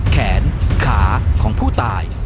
แขนขาของผู้ตาย